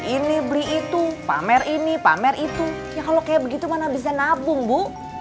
ini beli itu pamer ini pamer itu ya kalau kayak begitu mana bisa nabung bu